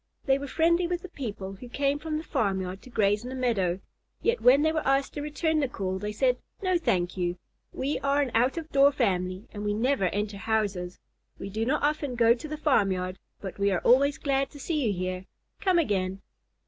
They were friendly with the people who came from the farmyard to graze in the meadow, yet when they were asked to return the call, they said, "No, thank you. We are an out of door family, and we never enter houses. We do not often go to the farmyard, but we are always glad to see you here. Come again."